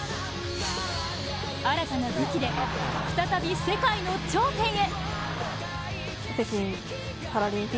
新たな武器で、再び世界の頂点へ！